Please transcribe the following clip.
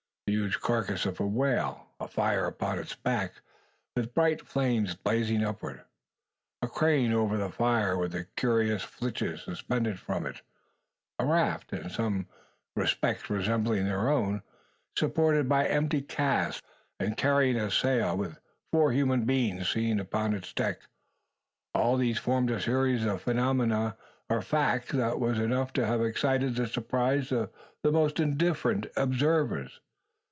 The huge carcass of a whale, a fire upon its back, with bright flames blazing upward, a crane over the fire with the curious flitches suspended from it, a raft, in some respects resembling their own, supported by empty casks, and carrying a sail, with four human beings seen upon its deck, all these formed a series of phenomena, or facts, that was enough to have excited the surprise of the most indifferent observers.